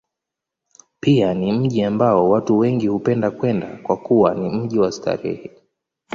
Pia ni mji ambao watu wengi hupenda kwenda, kwa kuwa ni mji wa starehe.